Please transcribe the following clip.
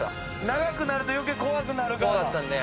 長くなると余計怖くなるから。